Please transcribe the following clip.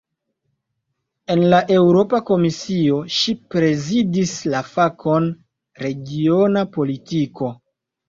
En la Eŭropa Komisiono, ŝi prezidis la fakon "regiona politiko".